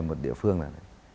một địa phương là